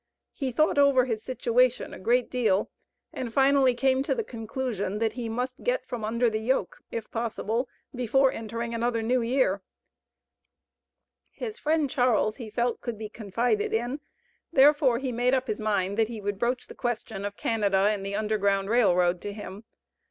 He thought over his situation a great deal, and finally came to the conclusion, that he must get from under the yoke, if possible, before entering another New Year. His friend Charles he felt could be confided in, therefore he made up his mind, that he would broach the question of Canada and the Underground Rail Road to him.